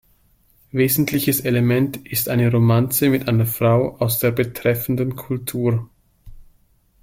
Wesentliches Element ist eine Romanze mit einer Frau aus der betreffenden Kultur.